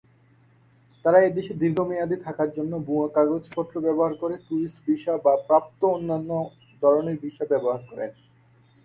তারা এই দেশে দীর্ঘমেয়াদে থাকার জন্য ভুয়া কাগজপত্র ব্যবহার করে ট্যুরিস্ট ভিসা বা প্রাপ্ত অন্যান্য ধরনের ভিসা ব্যবহার করেন।